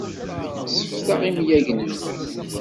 Sseftaɣ imyagen-nni.